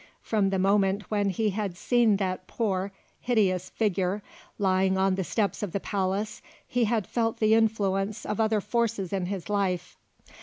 From the moment when he had seen that poor, hideous figure lying on the steps of the palace, he had felt the influence of other forces in his life.